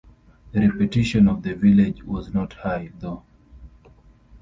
The reputation of the village was not high, though.